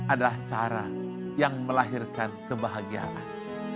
adalah cara yang melahirkan kebahagiaan